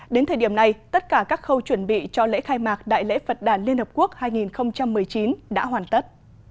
đến thời điểm này tất cả các khâu chuẩn bị cho lễ khai mạc đại lễ phật đàn liên hợp quốc hai nghìn một mươi chín đã hoàn tất